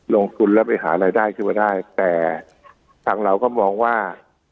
ลงทุนแล้วไปหารายได้ขึ้นมาได้แต่ทางเราก็มองว่า